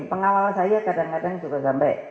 pengawal saya kadang kadang juga sampai